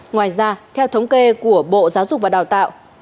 ngoài ra theo thống kê của bộ giáo dục và đào tạo